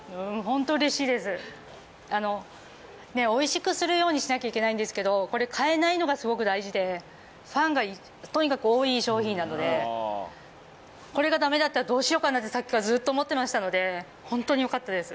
あのねえおいしくするようにしなきゃいけないんですけどこれファンがとにかく多い商品なのでこれがダメだったらどうしようかなってさっきからずっと思ってましたのでホントによかったです